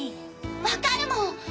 分かるもん！